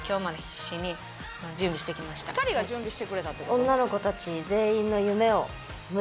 ２人が準備してくれたって事？